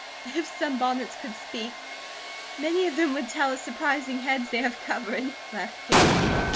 "If sunbonnets could speak, many of them would tell of surprising heads they have covered," laughed Kate.